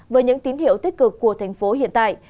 với những tín hiệu tích cực của thành phố hiện tại